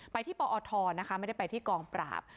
ไปที่ปอทนะคะไม่ได้ไปที่กองปราบ